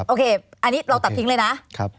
โอเคอันนี้เราตัดทิ้งเลยนะ